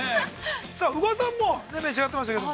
さあ、宇賀さんも召し上がってましたけど。